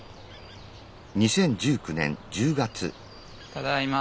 ただいま。